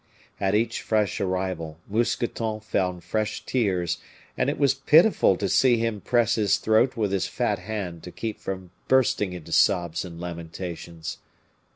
At each fresh arrival, Mousqueton found fresh tears, and it was pitiful to see him press his throat with his fat hand to keep from bursting into sobs and lamentations.